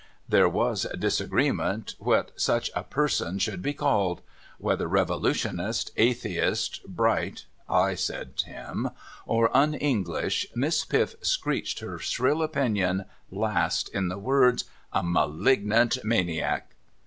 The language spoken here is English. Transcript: ' There was disagreement what such a person should be called. Whether revolutionist, atheist, Bright (/ said him), or Un English. Miss Piff screeched her shrill opinion last, in the words :' A malignant maniac